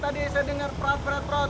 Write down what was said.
tadi saya dengar perat perat perat